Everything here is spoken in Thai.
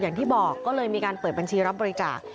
อย่างที่บอกก็เลยมีการเปิดบัญชีรับบริจาค